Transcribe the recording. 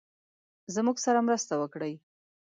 زموږ سره مرسته وکړی.